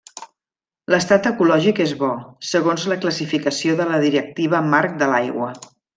L'estat ecològic és Bo, segons la classificació de la Directiva Marc de l'Aigua.